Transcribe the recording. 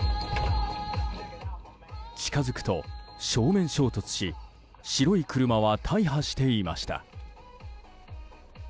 近づくと正面衝突し白い車は大破していました。